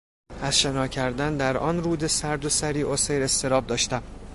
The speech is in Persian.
از شنا کردن در آن رود سرد و سریعالسیر اضطراب داشتم.